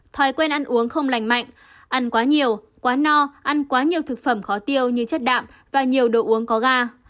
thói quen ăn uống không lành mạnh ăn quá nhiều quá no ăn quá nhiều thực phẩm khó tiêu như chất đạm và nhiều đồ uống có ga